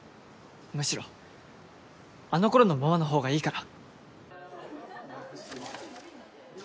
むしろあの頃のままの方がいいから。